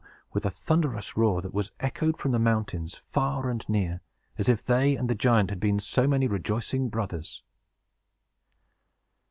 ho! with a thunderous roar that was echoed from the mountains, far and near, as if they and the giant had been so many rejoicing brothers.